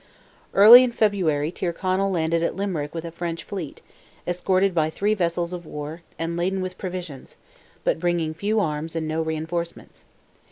Early in February Tyrconnell landed at Limerick with a French fleet, escorted by three vessels of war, and laden with provisions, but bringing few arms and no reinforcements.